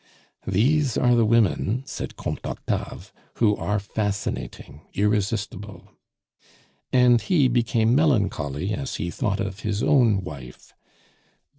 "These are the women," said Comte Octave, "who are fascinating, irresistible!" And he became melancholy as he thought of his own wife.